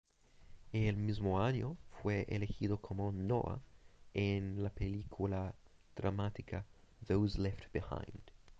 El mismo año, fue elegido como Noah en la película dramática "Those Left Behind".